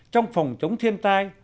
trong phòng chống thiên tai